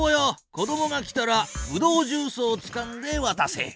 子どもが来たらブドウジュースをつかんでわたせ。